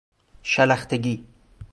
شلختگی